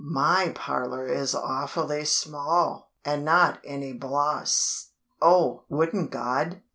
"My parlor is awfully small; and not any bloss Oh! Wouldn't God